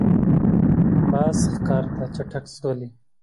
باز ښکار ته چټک ځغلي